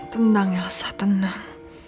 tendang elsa tenang